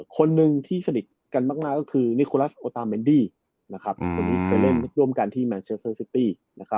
คนหนึ่งที่สนิทกันมากก็คือนิโคลัสโอตามเมนดี้คนที่เคยเล่นร่วมกันที่แมนเชสเตอร์ซิตี้